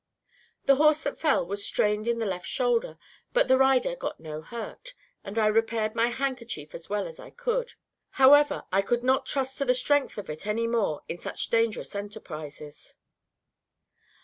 The horse that fell was strained in the left shoulder, but the rider got no hurt, and I repaired my handkerchief as well as I could; however, I would not trust to the strength of it any more in such dangerous enterprises.